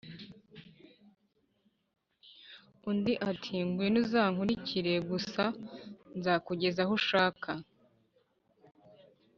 undi ati: ‘ngwino uzankurikire gusa, nzakugeza aho ushaka,